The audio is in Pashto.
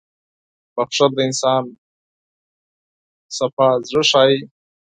• بښل د انسان پاک زړه ښيي.